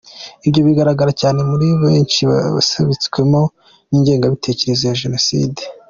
Ibyo bigaragara cyane muri benshi basabitswemo n’ingengabitekerezo ya Jenoside.